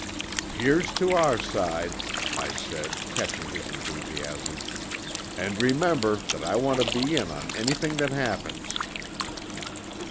"Here's to our side," I said, catching his enthusiasm. "And remember that I want to be in on anything that happens."